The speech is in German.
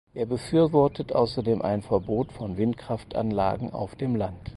Er befürwortet außerdem ein Verbot von Windkraftanlagen auf dem Land.